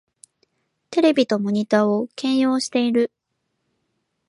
テレビとモニタを兼用してる